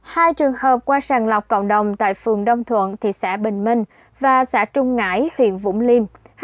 hai trường hợp qua sàng lọc cộng đồng tại phường đông thuận thị xã bình minh và xã trung ngãi huyện vũng liêm